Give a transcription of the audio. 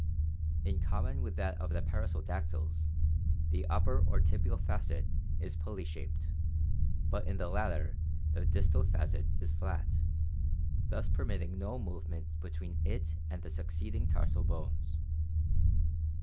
In common with that of the perissodactyls, the upper or tibial facet is pulley shaped, but in the latter the distal facet is flat, thus permitting no movement between it and the succeeding tarsal bones.